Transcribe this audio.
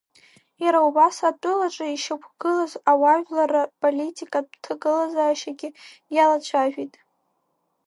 Иара убас, атәылаҿы ишьақәгылаз ауаажәларра-политикатә ҭагылазаашьагьы иалацәажәеит.